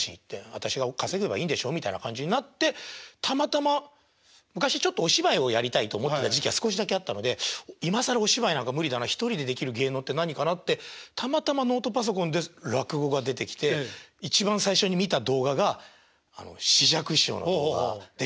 私が稼げばいいんでしょみたいな感じになってたまたま昔ちょっとお芝居をやりたいと思ってた時期が少しだけあったので今更お芝居なんか無理だな１人でできる芸能って何かなってたまたまノートパソコンで落語が出てきて一番最初に見た動画が枝雀師匠の動画で「上燗屋」だったんですよ。